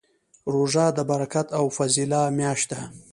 روژه د برکت او فضیله میاشت ده